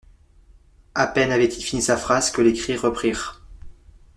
À peine avait-il fini sa phrase que les cris reprirent.